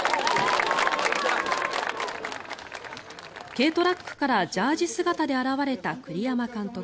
軽トラックからジャージー姿で現れた栗山監督。